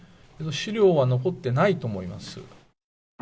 資料は残ってないと思います。